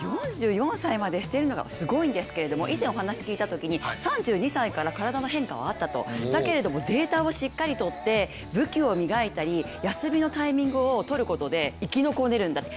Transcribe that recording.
４４歳までしているのがすごいんですけれども以前お話を聞いたときに３２歳から体の変化はあったんだとだけれどもデータをしっかり取って、武器を磨いたり休みのタイミングを取ることで生き残れるんだと。